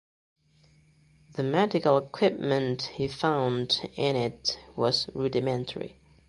The medical equipment he found in it was rudimentary.